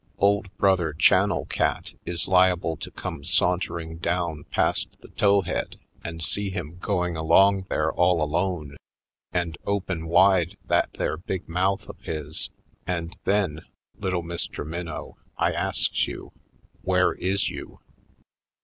Old Brother Channel Cat is liable to come sauntering down past the towhead and see him going along there all alone, and open wide that there big mouth of his and then, little Mr. Minnow, I asks you, where is you?